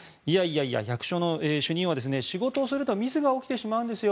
役所の主任は、いやいや仕事をするとミスが起きてしまうんですよ